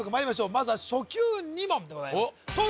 まずは初級２問でございます